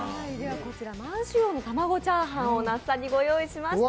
こちら満州王の玉子チャーハンを那須さんにご用意しました。